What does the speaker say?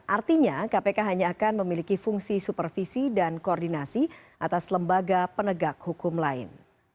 artinya kpk hanya akan memiliki fungsi supervisi dan koordinasi atas lembaga penegak hukum lain